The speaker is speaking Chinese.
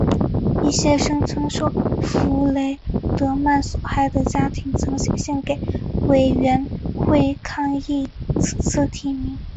一些声称受弗雷德曼所害的家庭曾写信给委员会抗议此次提名。